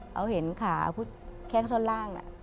เขาเห็นขาแค่ข้างล่าง